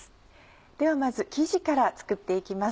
ではまず生地から作っていきます。